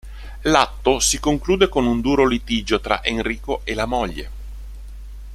L'atto si conclude con un duro litigio tra Enrico e la moglie.